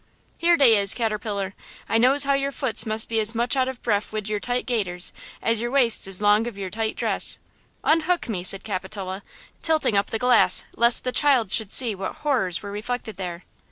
"Here dey is, Caterpillar! I knows how yer foots mus' be as much out of breaf wid yer tight gaiters as your waist is long of yer tight dress." "Unhook me!" said Capitola, tilting up the glass lest the child should see what horrors were reflected there.